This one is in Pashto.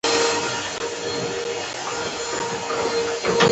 د خپل وطن د حالاتو له امله وژړل.